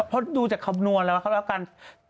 เพราะดูจากคำนวณแล้วกับการ